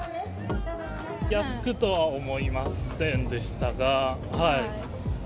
安いとは思いませんでしたが。